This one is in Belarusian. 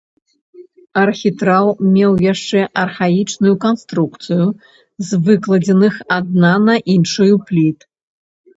Архітраў меў яшчэ архаічную канструкцыю з выкладзеных адна на іншую пліт.